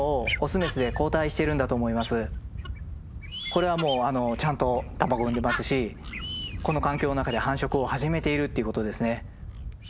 これはもうちゃんと卵産んでますしこの環境の中で繁殖を始めているっていうことですね。